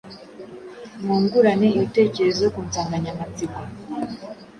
Mwungurane ibitekerezo ku nsanganyamatsiko